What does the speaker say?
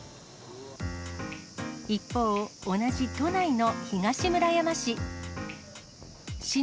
一方、同じ都内の東村山市。